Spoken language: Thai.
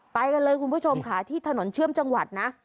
ไปกันเลยคุณผู้ชมค่ะที่ถนนเชื่อมจังหวัดนะ